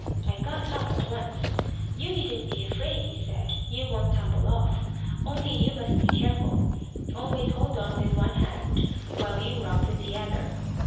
I got up at once. `You needn't be afraid,' he said. `You won't tumble off. Only you must be careful. Always hold on with one hand while you rub with the other.'